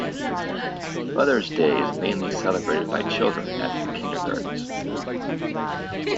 Mother's Day is mainly celebrated by children at kindergartens.